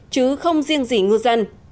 chứ không riêng gì ngư dân